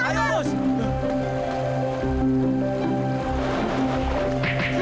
dalam api selam